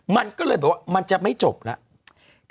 มันก็เลยแบบว่ามันจะไม่จบแล้ว